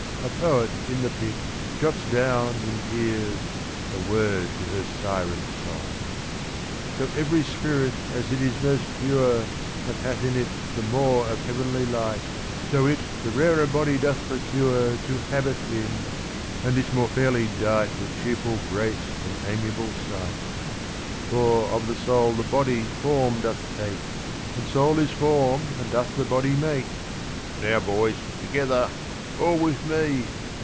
A poet in the pit Jots down, in tears, the words of her Siren song. " So every spirit as it is most pure. And hath in it the more of heavenly light, 37 Theatre of Varieties. So it the rarer body doth procure To habit in, and is more fairly dight With cheerful grace and amiable sight : For of the soul the body form doth take ; And soul is form and doth the body make." —" Now boys, together ! All with me